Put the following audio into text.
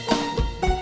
delapan satu komandan